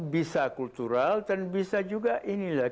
bisa kultural dan bisa juga inilah